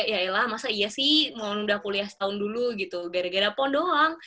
ya ilah masa iya sih mau udah kuliah setahun dulu gitu gara gara pon doang